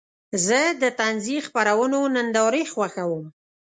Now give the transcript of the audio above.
زه د طنزي خپرونو نندارې خوښوم.